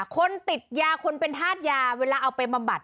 คนติดยาคนเป็นธาตุยาเวลาเอาไปบำบัด